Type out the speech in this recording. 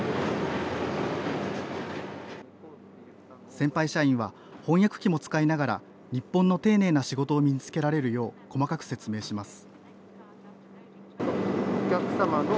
先輩社員は翻訳機も使いながら日本の丁寧な仕事を身に付けられるよう細かく説明します。